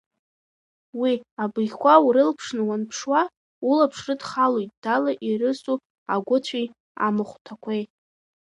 Уи абыӷьқәа урылԥшны уанԥшуа, улаԥш рыдхалоит дала ирысу агәыцәи амахәҭақәеи.